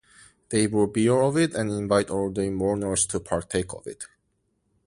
They brew beer of it and invite all the mourners to partake of it.